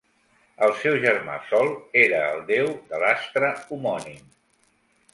El seu germà Sol era el déu de l'astre homònim.